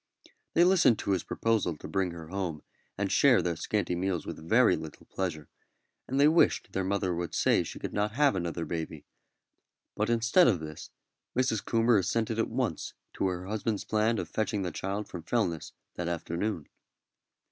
They listened to his proposal to bring her home and share their scanty meals with very little pleasure, and they wished their mother would say she could not have another baby; but instead of this Mrs. Coomber assented at once to her husband's plan of fetching the child from Fellness that afternoon.